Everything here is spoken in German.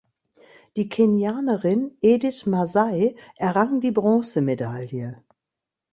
Die Kenianerin Edith Masai errang die Bronzemedaille.